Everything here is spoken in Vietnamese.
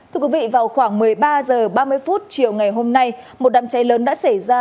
thưa quý vị vào khoảng một mươi ba h ba mươi chiều ngày hôm nay một đám cháy lớn đã xảy ra